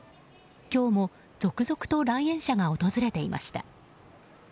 今日も続々と来園者が訪れていました。